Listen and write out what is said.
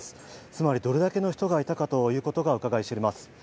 つまり、どれだけの人がいたかということがうかがい知れます。